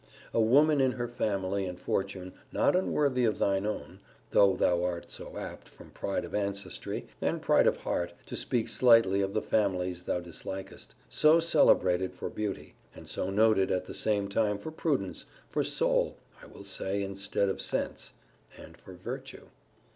A woman in her family and fortune not unworthy of thine own (though thou art so apt, from pride of ancestry, and pride of heart, to speak slightly of the families thou dislikest); so celebrated for beauty; and so noted at the same time for prudence, for soul, (I will say, instead of sense,) and for virtue?